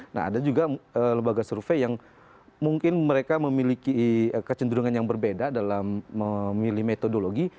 nah ada juga lembaga survei yang mungkin mereka memiliki kecenderungan yang berbeda dalam memilih metodologi